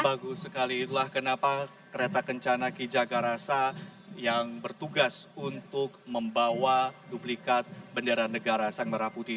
bagus sekali itulah kenapa kereta kencana ki jagarasa yang bertugas untuk membawa duplikat bendera negara sang merah putih